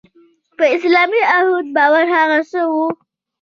په اسلامي اخوت باور هغه څه وو.